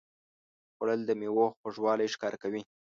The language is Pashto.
خوړل د میوو خوږوالی ښکاره کوي